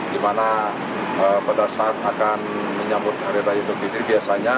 di mana pada saat akan menyambut harita hidup hidup biasanya